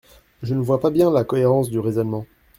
Je ne vois pas bien la cohérence du raisonnement.